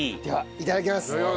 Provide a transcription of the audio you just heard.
いただきます。